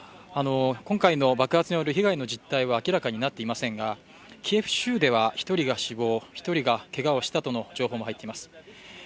今回の爆発による被害の実態は明らかになっていませんがキエフ州では１人が死亡、１人がけがをしたとの情報が入ってきています。